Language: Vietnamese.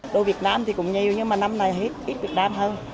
đồ việt nam thì cũng nhiều nhưng mà năm nay ít việt nam hơn